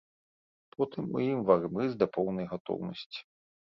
Потым у ім варым рыс да поўнай гатоўнасці.